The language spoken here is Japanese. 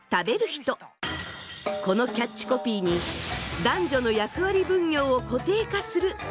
このキャッチコピーに「男女の役割分業を固定化する」と女性団体が抗議。